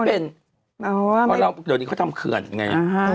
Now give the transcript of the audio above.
เพราะเราเดี๋ยวนี้เขาทำเขื่อนไง